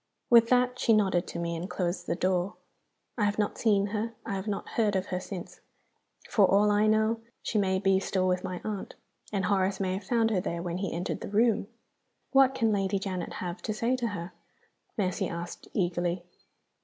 With that she nodded to me, and closed the door. I have not seen her, I have not heard of her, since. For all I know, she may be still with my aunt, and Horace may have found her there when he entered the room." "What can Lady Janet have to say to her?" Mercy asked, eagerly.